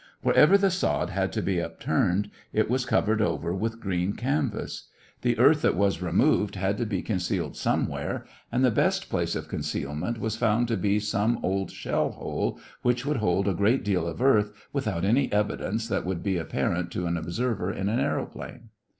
Wherever the sod had to be upturned, it was covered over with green canvas. The earth that was removed had to be concealed somewhere and the best place of concealment was found to be some old shell hole which would hold a great deal of earth without any evidence that would be apparent to an observer in an aëroplane.